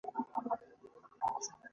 خپل ځان ساته، بل غل مه نيسه.